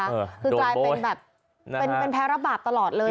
คือกลายเป็นแบบเป็นแพ้รับบาปตลอดเลย